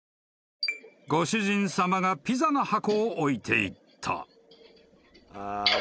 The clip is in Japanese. ［ご主人さまがピザの箱を置いていった］